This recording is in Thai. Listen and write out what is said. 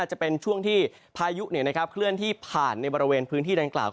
จะเป็นช่วงที่พายุเคลื่อนที่ผ่านในบริเวณพื้นที่ดังกล่าว